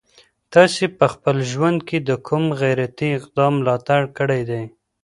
تاسي په خپل ژوند کي د کوم غیرتي اقدام ملاتړ کړی دی؟